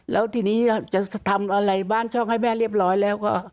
แล้วทีนี้จะทำอะไรบ้านช่องให้แม่เรียบร้อยแล้วก็